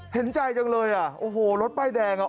เห็นใจจังเลยอ่ะโอ้โหรถป้ายแดงอ่ะ